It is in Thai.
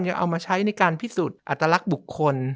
เอามาใช้ในการพิสูจน์อัตลักษณ์บุคคล